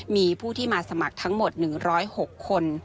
มีผู้ที่มาสมัครทั้งหมด๑๐๖คน